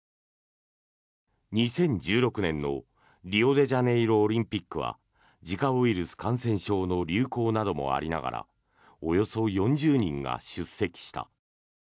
２０１６年のリオデジャネイロオリンピックはジカウイルス感染症の流行などもありながらおよそ４０人が出席した。